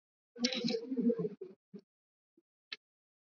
wachimbaji ambao walikuwa wamenaswa chini ya udongo